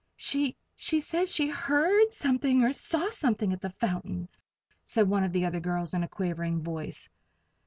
"She she says she heard something, or saw something, at the fountain," said one of the other girls, in a quavering voice.